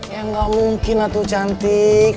ya gak mungkin atuh cantik